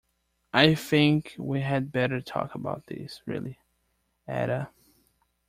I think we had better talk about this, really, Ada.